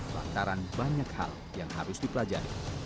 lantaran banyak hal yang harus dipelajari